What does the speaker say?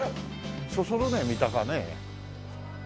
そそるね三鷹ねえ。